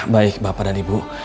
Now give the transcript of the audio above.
baik bapak dan ibu